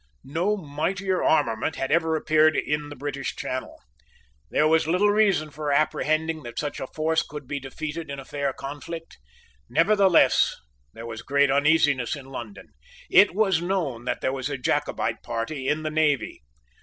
No mightier armament had ever appeared in the British Channel. There was little reason for apprehending that such a force could be defeated in a fair conflict. Nevertheless there was great uneasiness in London. It was known that there was a Jacobite party in the navy.